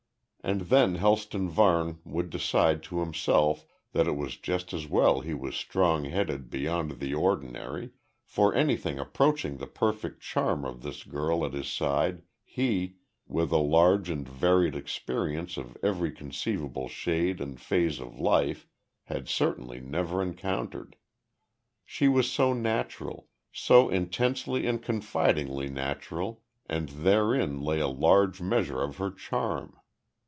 And then Helston Varne would decide to himself that it was just as well he was strong headed beyond the ordinary, for anything approaching the perfect charm of this girl at his side, he, with a large and varied experience of every conceivable shade and phase of life, had certainly never encountered. She was so natural, so intensely and confidingly natural and therein lay a large measure of her charm.